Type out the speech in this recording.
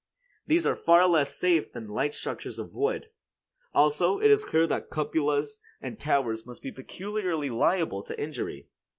These are far less safe than light structures of wood; also, it is clear that cupolas and towers must be peculiarly liable to injury.